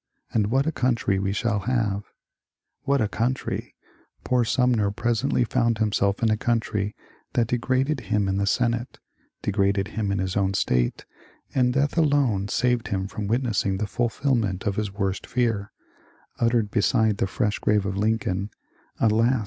" And what a country we shall have !" What a country ! Poor Sumner presently found himself in a country that degraded him in the Senate, degraded him in his own State, and death alone saved him from witnessing the fulfilment of his worst fear, — uttered beside the fresh grave of Lincoln, — "Alas